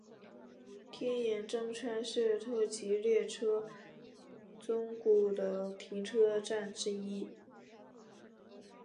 天盐中川是特急列车宗谷的停车站之一。